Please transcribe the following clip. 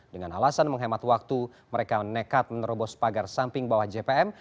dengan alasan menghemat waktu mereka nekat menerobos pagar samping bawah jpm